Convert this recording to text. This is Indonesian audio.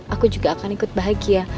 aku juga akan ikut bahagia